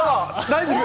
大丈夫？